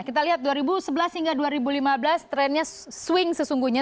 kita lihat dua ribu sebelas hingga dua ribu lima belas trennya swing sesungguhnya